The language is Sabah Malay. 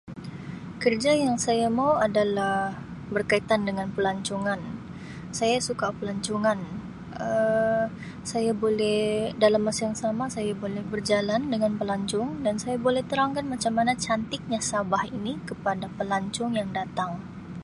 Kerja yang saya mau adalah berkaitan dengan pelancongan saya suka pelancongan Um saya boleh dalam masa yang sama saya boleh berjalan dengan pelancong dan saya boleh terangkan macam mana cantiknya Sabah ini kepada pelancong yang datang.